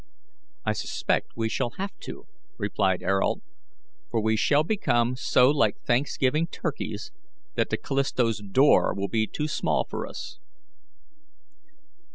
"I suspect we shall have to," replied Ayrault "for we shall become so like Thanksgiving turkeys that the Callisto's door will be too small for us."